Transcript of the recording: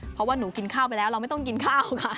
เพราะว่าหนูกินข้าวไปแล้วเราไม่ต้องกินข้าวค่ะ